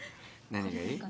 何がいい？